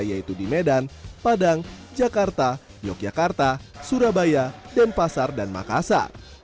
yaitu di medan padang jakarta yogyakarta surabaya denpasar dan makassar